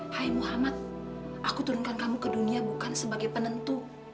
hai muhammad aku turunkan kamu ke dunia bukan sebagai penentu